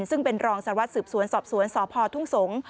ซึ่งเป็นรองสารวัตรสืบสวนสอบสวนสพทุ่งสงศ์